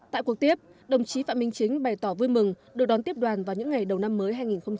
tại cuộc tiếp đồng chí phạm minh chính bày tỏ vui mừng được đón tiếp đoàn vào những ngày đầu năm mới hai nghìn hai mươi